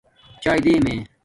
چاݵے دیمے